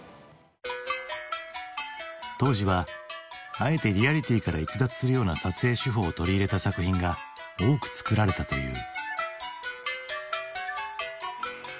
当時はあえてリアリティーから逸脱するような撮影手法を取り入れた作品が多く作られたという。